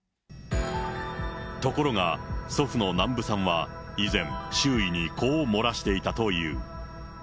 ところが、祖父の南部さんは以前、周囲にこう漏らしていたという。